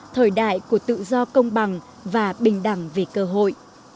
thời đại của tự do công bằng và bình đẳng về cơ hội